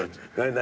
何？